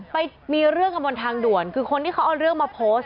ไปมีเรื่องกันบนทางด่วนคือคนที่เขาเอาเรื่องมาโพสต์